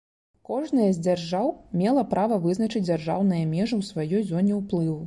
Кожная з дзяржаў мела права вызначыць дзяржаўныя межы ў сваёй зоне ўплыву.